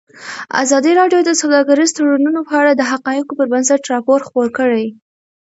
ازادي راډیو د سوداګریز تړونونه په اړه د حقایقو پر بنسټ راپور خپور کړی.